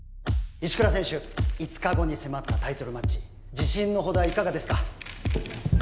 石倉選手５日後に迫ったタイトルマッチ自信のほどはいかがですか？